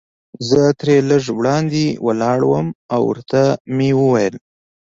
زه ترې لږ وړاندې ولاړم او ورته مې وویل.